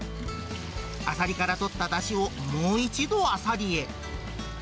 あさりからとっただしを、もう一度あさりへ。